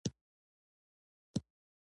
آیا توره د پښتنو د تاریخي مبارزو نښه نه ده؟